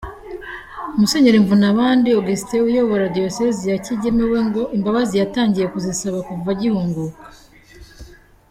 Musenyeri Mvunabandi Augustin uyobora diyosezi ya Kigeme we ngo imbabazi yatangiye kuzisaba kuva yahunguka.